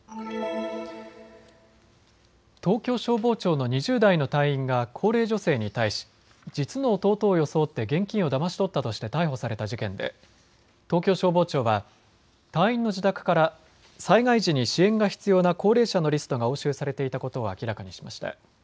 東京消防庁の２０代の隊員が高齢女性に対し、実の弟を装って現金をだまし取ったとして逮捕された事件で、東京消防庁は隊員の自宅から災害時に支援が必要な高齢者のリストが押収されていたことを明らかにしました。